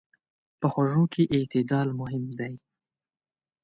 په خوږو کې اعتدال مهم دی.